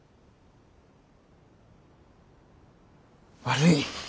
悪い。